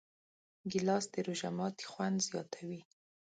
ګیلاس د روژه ماتي خوند زیاتوي.